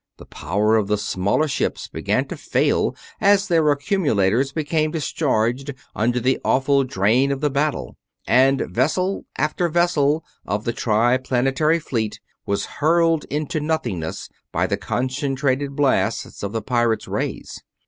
The power of the smaller ships began to fail as their accumulators became discharged under the awful drain of the battle, and vessel after vessel of the Triplanetary fleet was hurled into nothingness by the concentrated blasts of the pirates' rays.